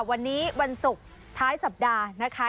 วันนี้วันศุกร์ท้ายสัปดาห์นะคะ